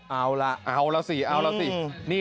เอาล่ะสิเอาล่ะสิ